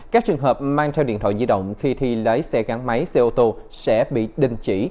các trường hợp mang theo điện thoại di động khi thi lái xe gắn máy xe ô tô sẽ bị đình chỉ